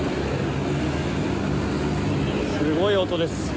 すごい音です。